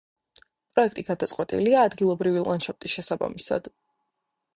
პროექტი გადაწყვეტილია ადგილობრივი ლანდშაფტის შესაბამისად.